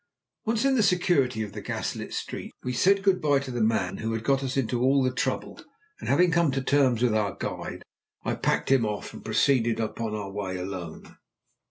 Once in the security of the gaslit streets, we said good bye to the men who had got us into all the trouble, and having come to terms with our guide, packed him off and proceeded upon our way alone.